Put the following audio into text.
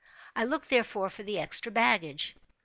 I looked, therefore, for the extra baggage.